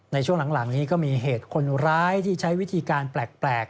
ในช่วงหลังนี้ก็มีเหตุคนร้ายที่ใช้วิธีการแปลก